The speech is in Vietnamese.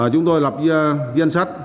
chúng tôi lập danh sách